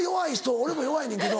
俺も弱いねんけど。